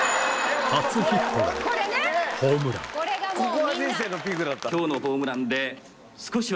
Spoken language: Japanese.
ここが人生のピークだった。